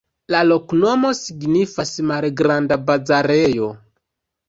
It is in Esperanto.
La loknomo signifas: malgranda-bazarejo.